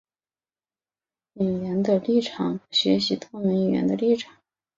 多语能通主义一词是指通晓多门语言的能力以及主张学习多门语言的立场等。